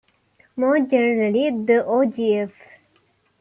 More generally, the o.g.f.